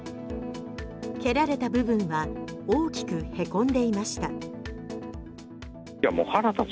蹴られた部分は大きくへこんでいました。